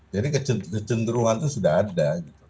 jadi kecenderungan itu sudah ada